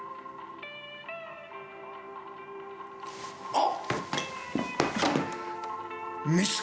あっ。